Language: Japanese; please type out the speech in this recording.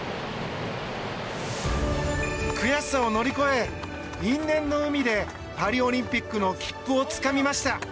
悔しさを乗り越え因縁の海でパリオリンピックの切符をつかみました。